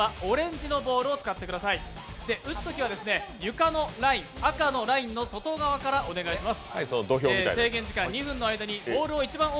撃つときは床のライン、赤のラインの外側からお願いします。